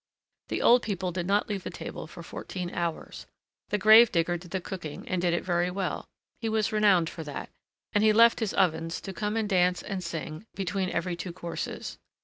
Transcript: The old people did not leave the table for fourteen hours. The grave digger did the cooking, and did it very well. He was renowned for that, and he left his ovens to come and dance and sing between every two courses.